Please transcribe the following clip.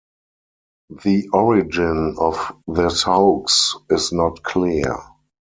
The origin of this hoax is not clear.